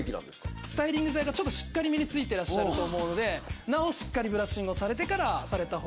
スタイリング剤がしっかりめに付いてらっしゃると思うのでなおしっかりブラッシングをされてからされた方が。